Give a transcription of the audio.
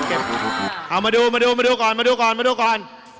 เอามาดูก่อน